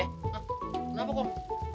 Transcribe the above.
hah kenapa kong